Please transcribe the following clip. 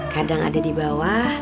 kadang ada di bawah